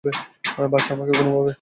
বাঁচা আমাকে কোনোভাবে।